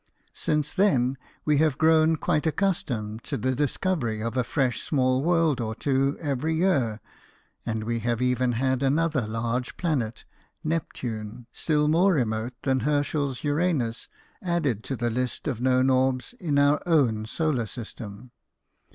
Si ice then, we have grown quite accustomed to the discovery of a fresh small world or two every year, and we have even had another large planet (Neptune), still more remote than Hers chel's Uranus, added to the list of known orbs in our own solar system.